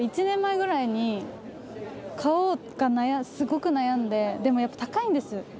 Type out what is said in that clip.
１年前ぐらいに買おうかすごく悩んででもやっぱ高いんです。